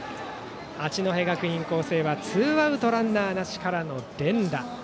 八戸学院光星はツーアウトランナーなしからの連打。